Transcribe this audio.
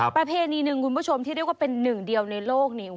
ประเพณีหนึ่งคุณผู้ชมที่เรียกว่าเป็นหนึ่งเดียวในโลกนี้